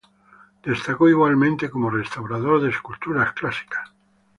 Destacó igualmente como restaurador de esculturas clásicas.